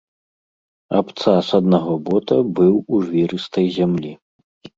Абцас аднаго бота быў у жвірыстай зямлі.